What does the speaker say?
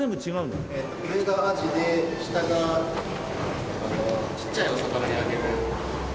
上がアジで下がちっちゃいお魚にあげる。